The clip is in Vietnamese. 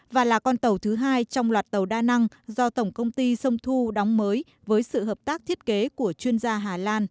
và là con tàu thứ hai trong loạt tàu đa năng do tổng công ty sông thu đóng mới với sự hợp tác thiết kế của chuyên gia hà lan